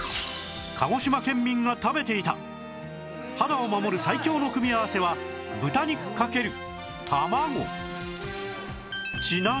鹿児島県民が食べていた肌を守る最強の組み合わせは豚肉×卵